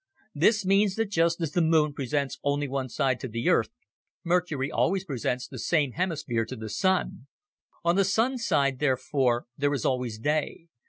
This means that just as the Moon presents only one side to the Earth, Mercury always presents the same hemisphere to the Sun. On the Sun side, therefore, there is always day.